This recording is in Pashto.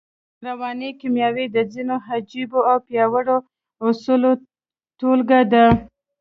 رواني کيميا د ځينو عجييو او پياوړو اصولو ټولګه ده.